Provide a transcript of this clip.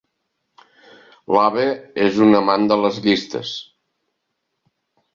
L'Abe és un amant de les llistes.